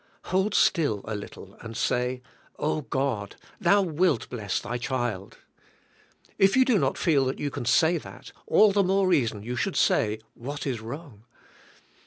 Hold still a little and say. Oh God, Thou wilt bless Thy child. If you do not feel that you can say that, all the more reason you should say, what is wrong?